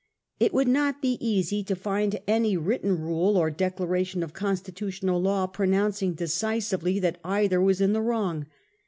It would not be easy to find any written rule or declaration of con stitutional law pronouncing decisively that either was in the wrong.